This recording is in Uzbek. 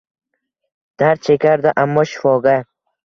Dard chekardi, ammo shifoga